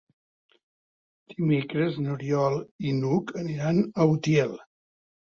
Dimecres n'Oriol i n'Hug aniran a Utiel.